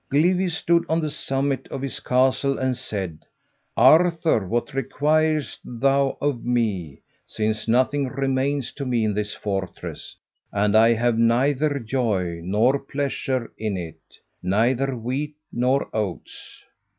Glivi stood on the summit of his castle, and said, "Arthur, what requirest thou of me, since nothing remains to me in this fortress, and I have neither joy nor pleasure in it; neither wheat nor oats?"